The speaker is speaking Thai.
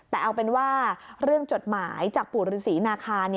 แต่เอาเป็นว่าเรื่องจดหมายจากปู่ฤษีนาคา